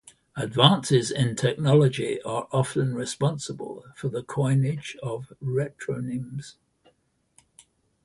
Advances in technology are often responsible for the coinage of retronyms.